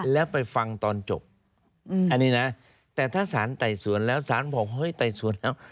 แล้วไปฟังตอนจบอันนี้นะแต่ถ้าสารไต่สวนแล้วสารบอกเฮ้ยไต่สวนแล้ว